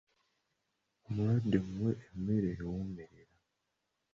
Omulwadde muwe emmere ewoomerera.